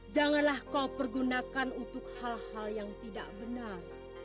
janganlah kau pergunakan untuk hal hal yang tidak benar